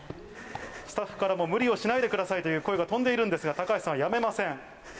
スタッフからも無理をしないでくださいという声が飛んでいるんですが橋さんはやめません。